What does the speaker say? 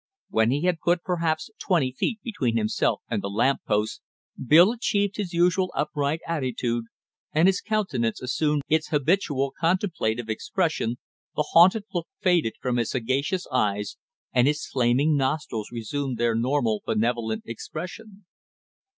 When he had put perhaps twenty feet between himself and the lamp post Bill achieved his usual upright attitude and his countenance assumed its habitual contemplative expression, the haunted look faded from his sagacious eye and his flaming nostrils resumed their normal benevolent expression.